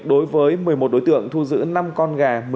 đối với một mươi một đối tượng thu giữ năm con gà